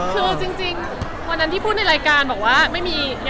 คือจริงเวลานั้นที่พูดในรายการแบบ